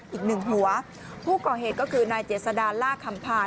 อีก๑หัวผู้ก่อเหตุก็คือนายเจษฎาลลากคำพาด